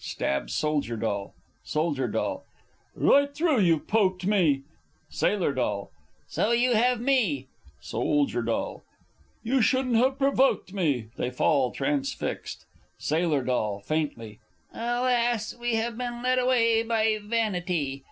[Stabs Soldier D. Sold. D. Right through you've poked me! Sailor D. So you have me! Sold. D. You shouldn't have provoked me! [They fall transfixed. Sailor D. (faintly). Alas, we have been led away by vanity.